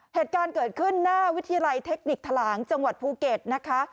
เหตุการณ์เกิดขึ้นหน้าวิทยาลัยเทคนิคทะลางจังหวัดภูเก็ตนะคะ